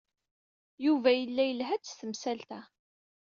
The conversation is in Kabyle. Yuba yella yelha-d s temsalt-a.